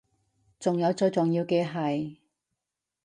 仲有最重要嘅係